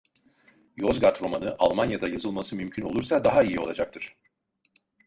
Yozgat romanı, Almanya'da yazılması mümkün olursa daha iyi olacaktır.